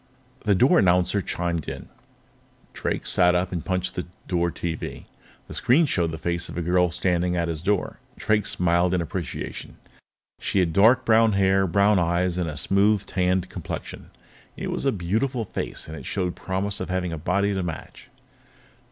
The door announcer chimed. Drake sat up and punched the door TV. The screen showed the face of a girl standing at his door. Drake smiled in appreciation. She had dark brown hair, brown eyes, and a smooth, tanned complexion. It was a beautiful face, and it showed promise of having a body to match.